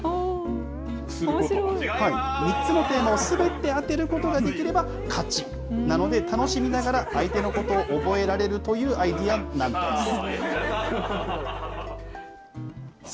３つのテーマをすべて当てることができれば勝ちなので、楽しみながら相手のことを覚えられるというアイデアなんです。